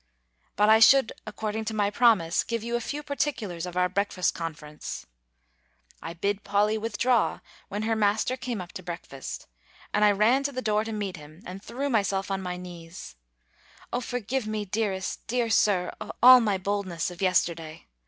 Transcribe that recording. But I should, according to my promise, give you a few particulars of our breakfast conference. I bid Polly withdraw, when her master came up to breakfast; and I ran to the door to meet him, and threw myself on my knees: "O forgive me, dearest, dear Sir, all my boldness of yesterday!